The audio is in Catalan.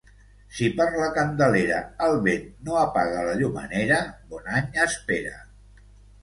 Si per la Candelera el vent no apaga la llumenera, bon any espera.